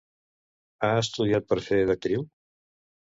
Ha estudiat per fer d'actriu?